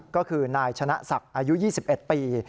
ก็คือนายชนะศักดิ์อายุ๒๑ปี